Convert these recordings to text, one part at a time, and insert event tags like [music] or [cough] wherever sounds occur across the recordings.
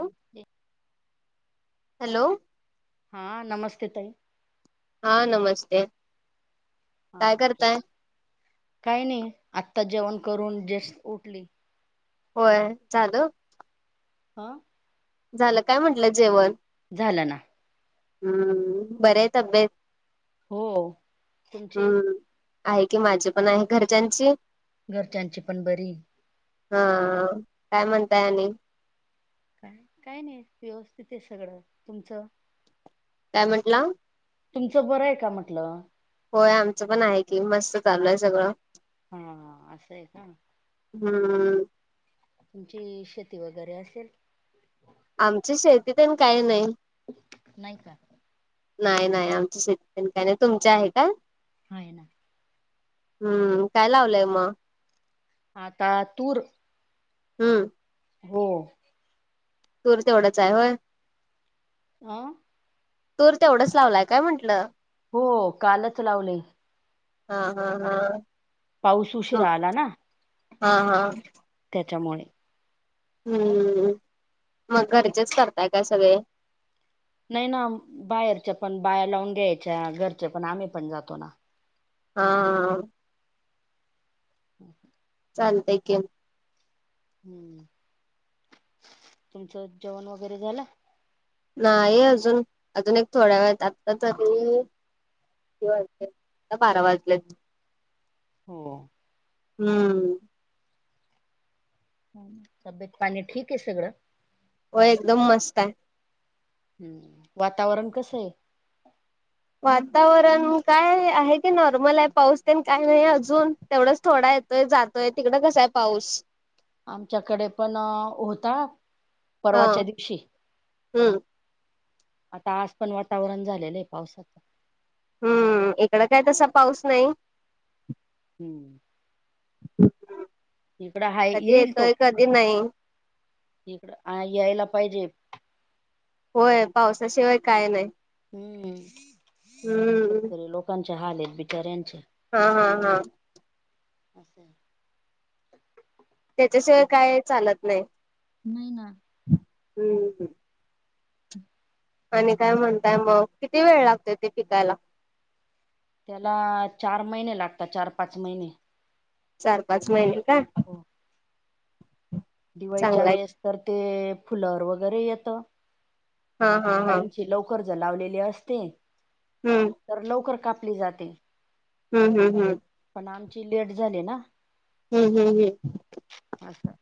ह ते हॅलो हा नमस्ते ताई हा नमस्ते काय हा करताय काही नाही आत्ता जेवण करून जस् उठली. होय झालं. हा झालं काय म्हटलं जेवण? झालं ना. हम्म बरिये तब्येत? हो तुमची? हम्म आहे की माझी पण आहे घरच्यांची? घरच्यांची पण बरी. हा काय म्हणताय आणि काय काही नाही व्यवस्थित आहे सगळं तुमचं? काय म्हंटला? तुमचं बरं आहे का म्हटलं? होय आमचं पण आहे की मस्त चाललंय सगळं. हा हा असं आहे का. हम्म तुमची शेती वगैरे असेल. आमची शेती तेन काय नाही. नाही का? नाही नाही आमच शेती तेन काही नाही तुमचे आहे का? आहे ना. हम्म काय लावलंय मग? आता तूर. हम्म हो. तूर तेवढंच हाय होय? हा तूर तेवढंच लावलाय काय म्हटलं? हो कालच लावले. हा हा हा पाऊस उशीरा आला ना. हा हा त्याच्यामुळे हम्म मग घरचेच करताय का सगळे? नाही ना बाहेरच्या पण बाया लावून घ्यायच्या घरच्या पण आम्ही पण जातो ना. हा हो ह चालतय की हम्म तुमचं जेवण वगैरे झालं? नाही अजून अजून एक थोड्या वेळ आत्ता शी. किती वाजलेत आत्ता बारा वाजलेत. हो हम्म तब्येत पाणी ठीक आहे सगळं? होय एकदम मस्त आहे. हम्म वातावरण कसं आहे? वातावरण काय आहे की नॉर्मल आहे पाऊस तेन काय नाही अजून तेवढंच थोडा आहे. त जातय तिकडं कसा आहे पाऊस? आमच्याकडे पण होता हा परवाच्या दिवशी. हम्म आता आज पण वातावरण झालेलं आहे पावसाचं हम्म इकडं काय तसा पाऊस नाही हं [inaudible] इकड हाय कधी येईल तो येतोय कधी नाही इिकड यायला पाहिजे होय पावसाशिवाय काय नाही हम्म हम्म शेतकरी लोकांचे हाल आहेत बिचााऱ्यांचे हा हा हा असं ते त्याच्याशिवाय काय चालत नाही नाही ना हम्म हम् हम आणि काय म्हणताय मग किती वेळ लागतोय ते पिकायला त्याला चार महिने लागतात चार पाच महिने चार पाच महिने का हो दिवाळीच्या चांगला आहे वेळेस तर ते फुलवर वगैरे येतं हा हा हा काहींची लवकर ज लावलेले असते हम्म तर लवकर कापली जाते हम् हम् हम् पण आमची लेट झाली ना हम्म हम्म हम्म असं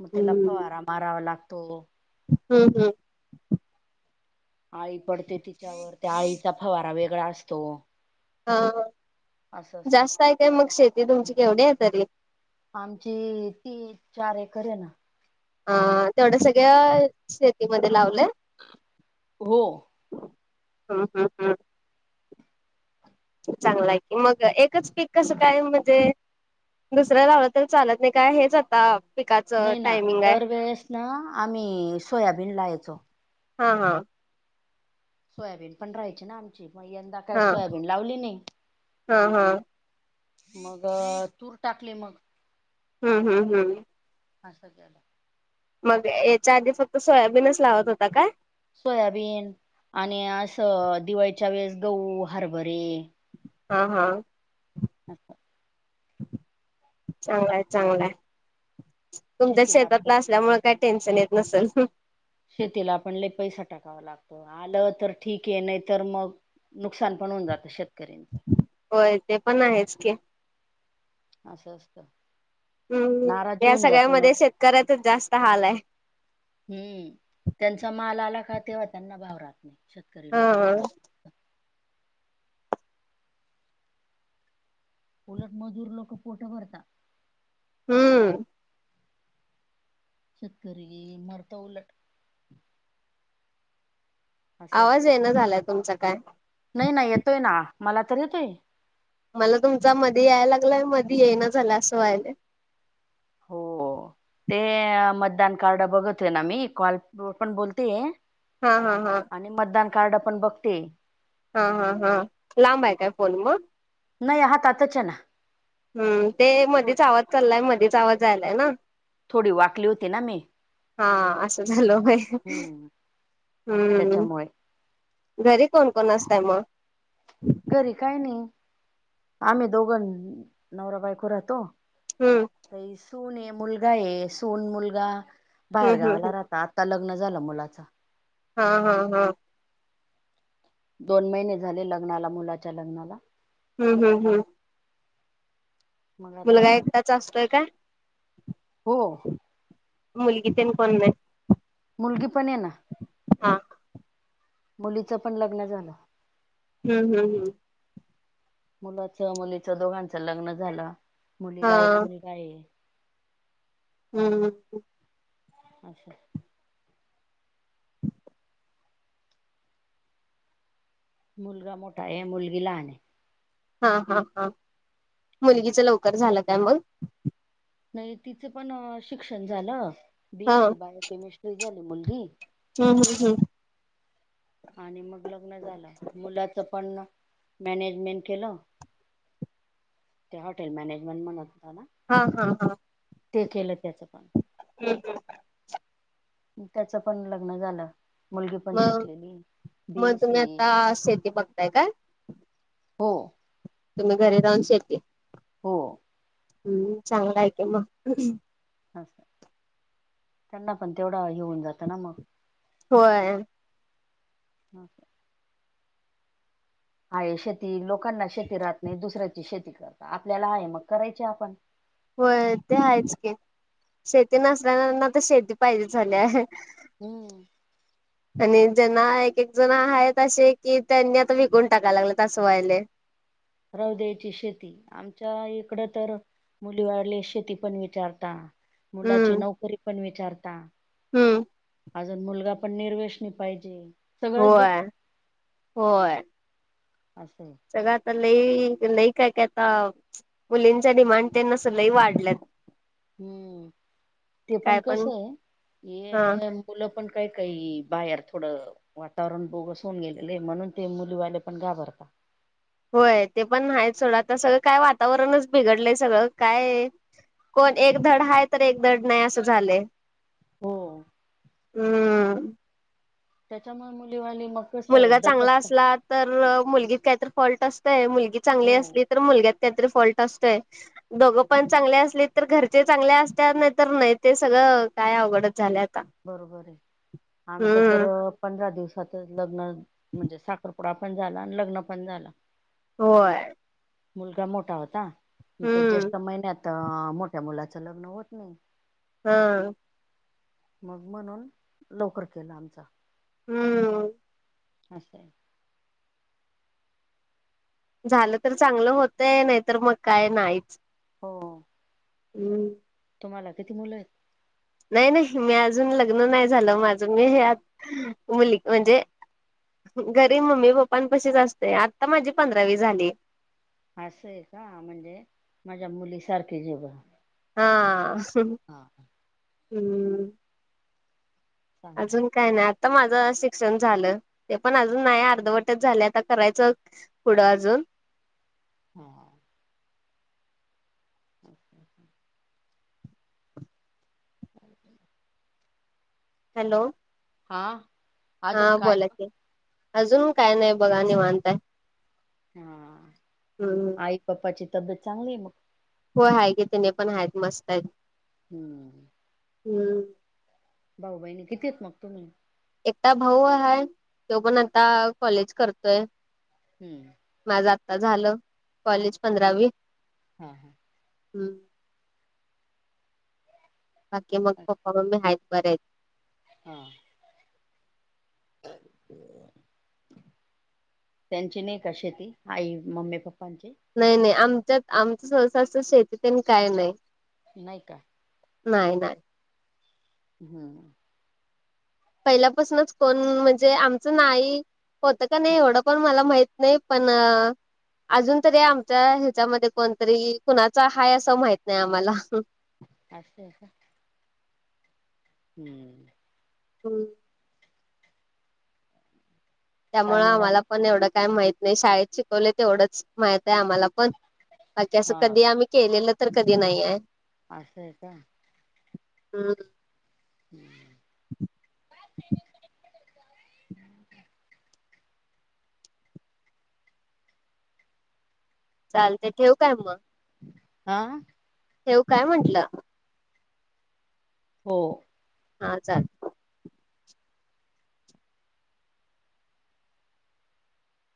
मग त्याला फवारा मारावा लागतो हम् हम्म आळी पडते तिच्यावर त्या आळीचा फवारा वेगळा असतो हा असं असतं. जास्त आहे काय मग शेती तुमची केवढी आहे तरी आमची ती चार एकर आहे ना हा तेवढ्या सगळ्या शेतीमध्ये लावलंय हो हम हम हम् चांगलं आहे की मग एकच पीक कसं काय म्हणजे दुसर्या लावलं तर चालत नाही काय हेच आता पिकाचं नाही ना टायमिंग आहे दरवेेळेस ना आम्ही सोयाबीन लायचो हा हा सोयाबीन पण राहायची ना आमची मग यंदा काय हा सोयाबीन लावली नाही हा हा मग तूर टाकले मग हूं हूं हं [unintelligible] मग याच्या आधी फक्त सोयाबीनच लावत होता काय? सोयाबीन आणि असं दिवाळीच्या वेळेस गहू, हरभरे हा हा अच्छा चांगलाय चांगलाय तुमच्या शेतीला आपण शेतातला असल्यामुळे काय टेन्शन येत नसेल शेतीला आपण पैसा टाकावा लागतो आलं तर ठीक आहे नाही तरर मग नुकसान पण होऊ जात श कऱचा होय ते पण आहेच की असं - असतं. हम्म. नाराज या होऊन जात मग सगळ्यामध्ये, शेतकऱ्याचच जास्त हालाय. हम्म. त्यांचा माल आला का, तेव्हा त्यांना भाव राहत नाही. शेतकरी हा लोकांचा. उलट, मजूर लोक पोटं भरतात. हम्म. शेतकरी, मरतं उलट. असं आवाज असतं येईना झालाय, तुमचा काय. नाही - नाही येतोय ना. मला तर येतोय. मला तुमचा मध्ये यायला लागलाय. मधी येईना झाला. असं व्हायलंय. हो. ते मतदान कार्ड बघतोय ना, मी. कॉलवर पण बोलतेय. हा, हा, हा. आणि मतदान कार्ड पण बघतेय. हा, हा, हा. लांबाय काय? फोन मग. नाही, हातातचय ना. हम्. ते थोड मधीच आवाज चाललाय. मधीच आवाज जायलाय ना. थोडी वाकली होती ना मी हा असं झालं व्हय. हम्म हूं. त्याच्यामुळे घरी कोण- कोण असताय मग? घरी काय नाही. आम्ही दोघ न, नवरा - बायको राहतो. हम्म. सूनये, मुलगाये. सून- मुलगा बाहेर हम्म हम्म गावाला राहतात. आता लग्न झालं मुलाचं. हा, हा, हा. दोन महिने झाले लग्नाला. मुलाच्या लग्नाला. हं, हं, हं. मग आता मुलगा, एकटाच असतोय काय? हो मुलगी, तेन कोण नाही. मुलगी पणयना. हा मुलीचं पण लग्न झालं. हूं, हूं, हूं. मुलाच -, दोघांचं लग्न झालं. हा मुलीला एक मुल गाये. हम्म. [inaudible] मुलगा मोठाय, मुलगी लहानय. हा, हा, हा. असं मुलगीच लवकर झालं का, मग? नाही, तिचं पण शिक्षण झालं. बी हा एस सी बायोकेमिस्ट्री झाली मुलगी. हम्, हम, हम्. आणि मग लग्न झालं. मुलाच पण, मॅनेजमेंट केलं. ते हॉटेल मॅनेजमेंट, म्हणत होता ना. हा, हा, हा. ते केलं, त्याच पण. हम्, हम. त्याचं पण लग्न झालं. मुलगी पण मग शिकलेलीय. बी मग एस तुम्ही सीय. आता शेती बघताय काय हो. तुम्ही, घरी राहून शेती. हो. हूं, चांगला हाय की मग. असं. त्यांना पण तेवढं हे हून जातं ना, मग. होय. हा काय हाये शेती लोकांना शेती राहत नाही दुसऱ्याची शेती करता आपल्याला आहे म करायची आपण. होय ते आहेच की शेती नसनाऱ्यांना त शेती पाहिजे झालेय. हम्म आणि ज्यांना एक एक जण आहेत असे की त्यांनी आता विकून टाकायला लागलेत अस व्हायले. राहू दयायची शेती आमच्या इकडं तर मुली वाले शेती पण विचारता मुलाची हम्म नोकरी पण विचारता. हम्म अजून मुलगा पण निर्वेशणी पाहिजे सगळच होय बघता- असंय. सगळ आता लई लई काय काय ताप मुलींचा डिमांड त्यांन असं लय वाढल्यात. हम्म ते पण कसय हा हे मुलं पण काय काई बाहेर थोडं वातावरण बोगस होऊन गेलेलय म्हणून ते मुलीवाले पण घाबरता. होय ते पण न्हायत सोडा आता सगळं काय वातावरणच बिघडलंय सगळं काय कोण एक धड हाय तर एक धड नाय असं झालंय. हो. हम्म त्याच्यामुळ मुलीवाली मग मुलगा कसं चांगला दचकतात असला तर मुलगीत काहीत फॉल्ट असतंय मुलगी चांगली हो असली तर मुलग्यात कायतर फॉल्ट असतोय. दोघं पण चांगले असले तर घरचे चांगले असत्यात नायतर नाय ते सगळं काय अवघडचं झाल्यात बरोबर ये आमचं तर पंधरा दिवसात लग्न म्हणजे साखर पुडा पण झाला आणि लग्न पण झाला. होय. मुलगा मोठा होता मग त्या हम्म जेष्ठ महिन्यात ता मोठ्या मुलाचं लग्न होत नाही. हां मग म्हणून लवकर केला आमचा हम्म असंय. झालं तर चांगलं होतंय नायतर मग काय नाहीच. हो. हम् तुम्हाला किती मुलं आहेत. नाय नाय मी अजून लग्न नाय झालं माझं मी आज मुली म्हणजे घरी मम्मी पप्पां पशीच असते आत्ता माझी पंधरावी झाली. असंय का म्हणजे माझ्या मुलीसारखीच जे बुआ हा. हां हा. हम्म. चांगलं अजून काय नाय आत त माझं शिक्षण झालं ते पण अजून नाय अर्धवटच झालय आता करायचं पुढं अजून हा हा असय कां [unintelligible] हॅलो हा अजून हा काय बोला मग? की अजून काय नाय बघा निवांत हाय. हा आई पप्पाची तब्येत चांगली आहे मग. होय हाय की त्यांनी पण आहेत मस्त आहेत. हम्म. हम्म. भाऊ बहिणी किती हाईत मग तुम्ही? एकटा भाऊ हाय, तो पण आता कॉलेज करतोय. हम्म. माझं आत्ता झालं कॉलेज पंधरावी. हां हां. हम्. बाकी मग पप्पा मम्मी आहेत बरे. हा. [inaudible] त्यांची नाही का शेती आई मम्मी पप्पांची. नाही नाही आमच्यात आमच सहसा असं शेतीतेन काय नाही. नाही का? नाही नाही. हम्. पहिल्यापासनच कोण म्हणजे आमचं नाही होत क नाही एवढं पण मला माहित नाही. पण. अजून तरी आमच्या ह्याच्यामध्ये कोणतरी ईल कुणाचा हाय असं माहित नाही आम्हाला. असं हाय का? हम्म. हम. काय त्यामुळ मग आम्हाला पण एवढं काय माहित नाही शाळेत शिकवलय तेवढंच माहित आहे आम्हाला. पण, बाकी असं हा कधी आम्ही केलेलं तर कधी नाही आहे. असं हाय का? हम्. हम्म. [inaudible] चाल ते ठेवू काय मग. आ. ठेवू काय म्हंटलं. हो. हा चाल.